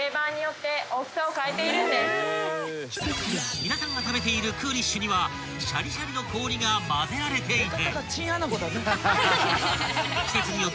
［皆さんが食べているクーリッシュにはシャリシャリの氷がまぜられていて］